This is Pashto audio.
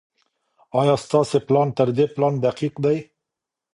ايا ستاسي پلان تر دې پلان دقيق دی؟